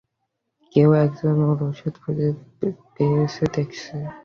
কেউ একজন ওর ওষুধ খুঁজে পেয়েছে দেখছি।